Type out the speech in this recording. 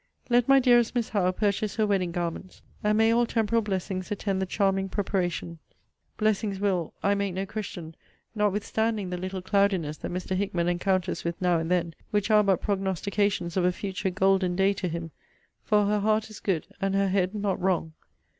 Let my dearest Miss Howe purchase her wedding garments and may all temporal blessings attend the charming preparation! Blessings will, I make no question, notwithstanding the little cloudiness that Mr. Hickman encounters with now and then, which are but prognostications of a future golden day to him: for her heart is good, and her head not wrong.